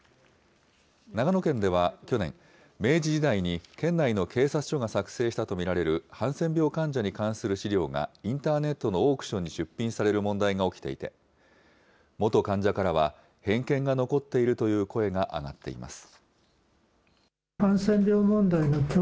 長野県では、去年、明治時代に県内の警察署が作成したと見られるハンセン病患者に関する資料がインターネットのオークションに出品される問題が起きていて、元患者からは偏見が残っているという声が上がっています。